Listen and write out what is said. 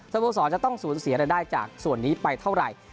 โมสรจะต้องสูญเสียรายได้จากส่วนนี้ไปเท่าไหร่